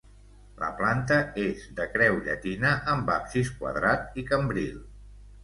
La planta és de creu llatina amb absis quadrat i cambril.